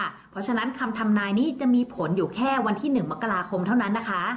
เพราะฉะนั้นคำทำนายนี้จะมีผลอยู่แค่วันที่๑มกราคมเท่านั้นนะคะ